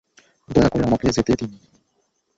দয়া করে আমাকে যেতে দিন।